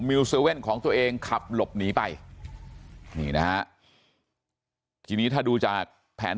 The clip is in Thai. มิวเซลเว่นของตัวเองขับหลบหนีไปนี่นะทีนี้ถ้าดูจากแผน